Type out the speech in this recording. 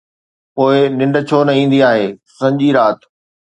پوءِ ننڊ ڇو نه ايندي آهي سڄي رات